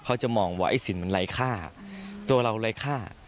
เขาจะมองว่าไอ้สินมันไร้ค่าตัวเราไร้ค่า